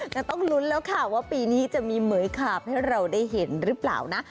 แต่ต้องลุ้นแล้วค่ะว่าปีนี้จะมีเหมือยขาบให้เราได้เห็นหรือเปล่านะ